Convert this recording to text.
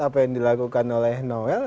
apa yang dilakukan oleh noel